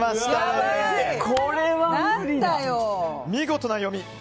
見事な読み。